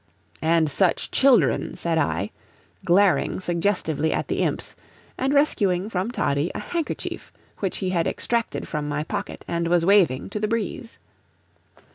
"And such children," said I, glaring suggestively at the imps, and rescuing from Toddie a handkerchief which he had extracted from my pocket, and was waving to the breeze.